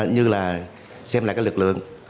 như là xem lại cái lực lượng